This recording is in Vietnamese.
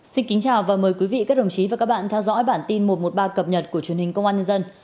xin kính chào và mời quý vị các đồng chí và các bạn theo dõi bản tin một trăm một mươi ba cập nhật của truyền hình công an nhân dân